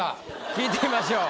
聞いてみましょう。